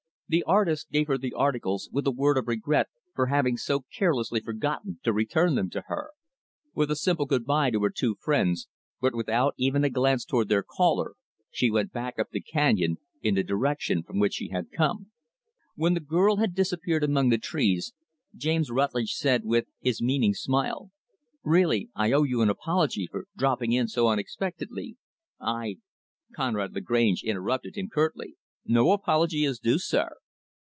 The artist gave her the articles with a word of regret for having so carelessly forgotten to return them to her. With a simple "good by" to her two friends but without even a glance toward their caller, she went back up the canyon, in the direction from which she had come. When the girl had disappeared among the trees, James Rutlidge said, with his meaning smile, "Really, I owe you an apology for dropping in so unexpectedly. I " Conrad Lagrange interrupted him, curtly. "No apology is due, sir."